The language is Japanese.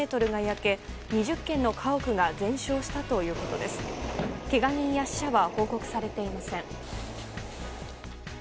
けが人や死者は報告されていません。